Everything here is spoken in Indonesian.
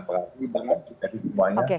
pengangkutan jadi semuanya